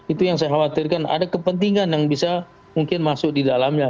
itu yang saya khawatirkan ada kepentingan yang bisa mungkin masuk di dalamnya